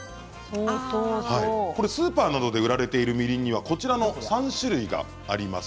スーパーなどで売られているみりんにはこちらの３種類があります。